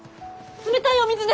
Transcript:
冷たいお水だ！